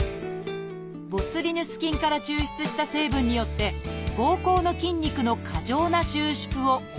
ボツリヌス菌から抽出した成分によってぼうこうの筋肉の過剰な収縮を抑えます。